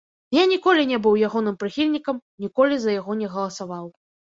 Я ніколі не быў ягоным прыхільнікам, ніколі за яго не галасаваў.